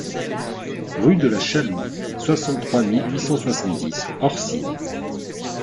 Rue de la Chaloux, soixante-trois mille huit cent soixante-dix Orcines